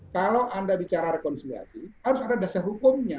kalau anda bicara rekonsiliasi harus ada dasar hukumnya